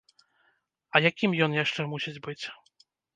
А якім ён яшчэ мусіць быць?!